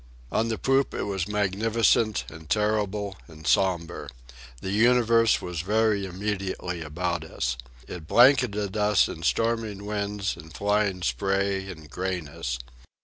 On the poop it was magnificent, and terrible, and sombre. The universe was very immediately about us. It blanketed us in storming wind and flying spray and grayness.